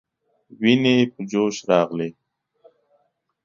ويني په جوش راغلې.